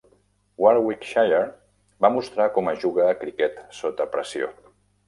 Warwickshire va mostrar com es juga a criquet sota pressió.